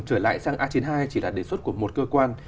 trở lại sang a chín mươi hai chỉ là đề xuất của một cơ quan